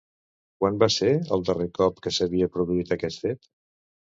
Quan va ser el darrer cop que s'havia produït aquest fet?